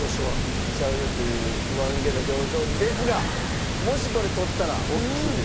「いっちゃうよ」という不安げな表情ですがもしこれ取ったら大きいです。